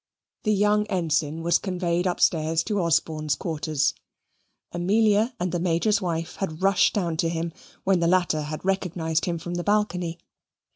The young ensign was conveyed upstairs to Osborne's quarters. Amelia and the Major's wife had rushed down to him, when the latter had recognised him from the balcony.